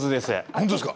本当ですか？